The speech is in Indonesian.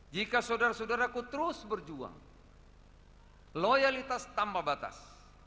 jika saudara saudaraku terus berjuang loyalitas tanpa batas